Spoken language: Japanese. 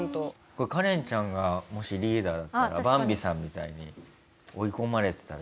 これカレンちゃんがもしリーダーだったらバンビさんみたいに追い込まれてたらどうする？